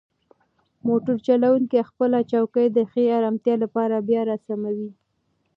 موټر چلونکی خپله چوکۍ د ښې ارامتیا لپاره بیا راسموي.